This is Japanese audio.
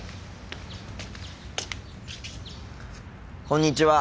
こんにちは。